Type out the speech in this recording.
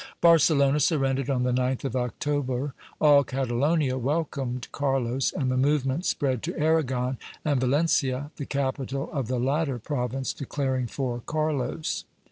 Barcelona surrendered on the 9th of October; all Catalonia welcomed Carlos, and the movement spread to Aragon and Valencia, the capital of the latter province declaring for Carlos.